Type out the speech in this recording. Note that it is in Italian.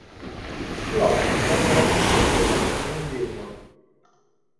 Flora è una ragazza giovane e ingenua.